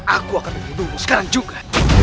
aku akan menunggu sekarang juga